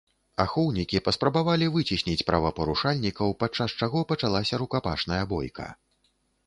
Ахоўнікі паспрабавалі выцесніць правапарушальнікаў, падчас чаго пачалася рукапашная бойка.